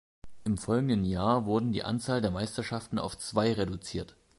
Im folgenden Jahr wurden die Anzahl der Meisterschaften auf zwei reduziert.